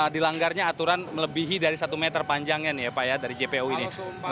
dilanggarnya aturan melebihi dari satu meter panjangnya nih ya pak ya dari jpo ini